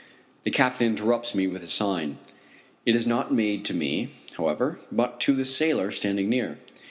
The captain interrupts me with a sign. It is not made to me, however, but to some sailors standing near.